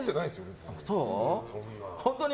別に。